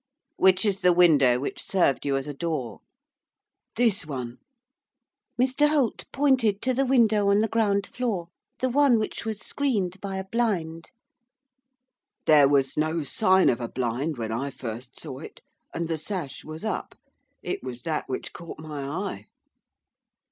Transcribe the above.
'Which is the window which served you as a door?' 'This one.' Mr Holt pointed to the window on the ground floor, the one which was screened by a blind. 'There was no sign of a blind when I first saw it, and the sash was up, it was that which caught my eye.